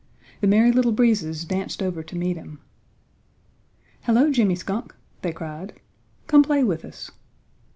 The Merry Little Breezes danced over to meet him. "Hello, Jimmy Skunk!" they cried. "Come play with us!"